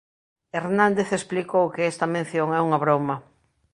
Hernández explicou que esta mención é unha broma.